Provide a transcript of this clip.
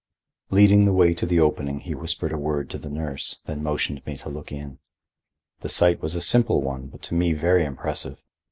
Leading the way to the opening, he whispered a word to the nurse, then motioned me to look in. The sight was a simple one, but to me very impressive.